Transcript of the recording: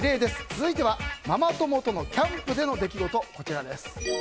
続いてはママ友とのキャンプでのこと。